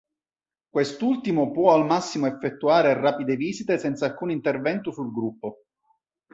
Quest'ultimo può al massimo effettuare rapide visite senza alcun intervento sul gruppo.